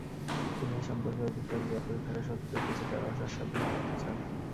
তিনি এ সম্পর্কে অধিকতর জ্ঞাত থাকা সত্ত্বেও কিছুটা রস আস্বাদন করতে চান।